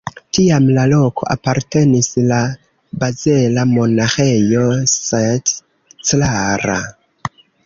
Tiam la loko apartenis la bazela Monaĥejo St. Clara.